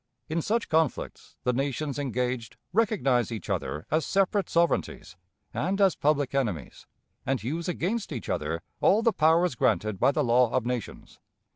In such conflicts the nations engaged recognize each other as separate sovereignties and as public enemies, and use against each other all the powers granted by the law of nations.